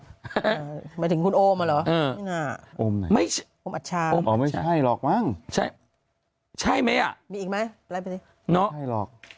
หมายถึงคุณอมอ่ะเหรอโอมอัชชาอร์มูนพื้นให้หลอกมั้งใช่ใช่ไหมอ่ะมีแมะที่นอก